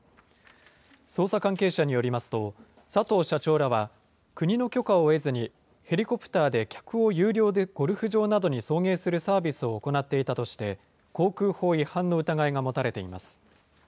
捜査関係者によりますと、佐藤社長らは、国の許可を得ずに、ヘリコプターで客を有料でゴルフ場などに送迎するサービスを行っていたとして、航空法違反の疑いが持たれています。